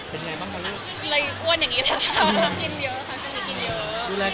เป็นไงบ้างบางอย่าง